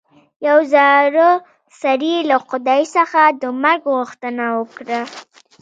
یوه زاړه سړي له خدای څخه د مرګ غوښتنه وکړه.